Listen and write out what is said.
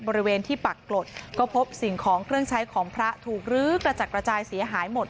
บริเวณที่ปรากฏก็พบสิ่งของเครื่องใช้ของพระถูกลื้อกระจัดกระจายเสียหายหมด